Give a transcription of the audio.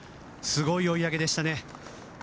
すごい追い上げでしたね。